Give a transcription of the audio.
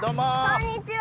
こんにちは！